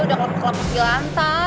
udah kelap kelap gilantan